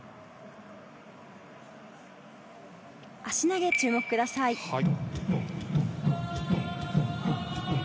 足投げにご注目ください。